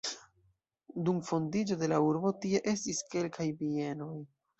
Dum fondiĝo de la urbo tie estis kelkaj bienoj.